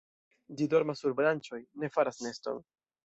Ĝi dormas sur branĉoj, ne faras neston.